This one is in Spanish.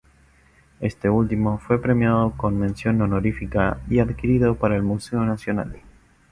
Este último fue premiado con mención honorífica y adquirido para el Museo nacional.